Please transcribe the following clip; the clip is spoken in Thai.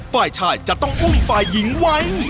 ฝ่ายชายจะต้องอุ้มฝ่ายหญิงไว้